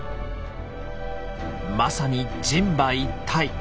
まさに人馬一体！